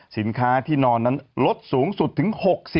สินค้าที่นอนนั้นลดสูงสุดถึง๖๐